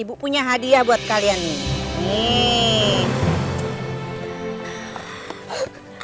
ibu punya hadiah buat kalian nih